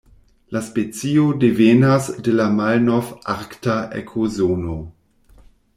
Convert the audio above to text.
La specio devenas de la Malnov-Arkta ekozono.